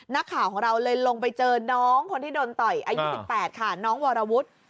นักข่าวของเราเลยลงไปเจอน้องคนที่โดนต่อยอายุ๑๘ค่ะน้องวรวุฒิ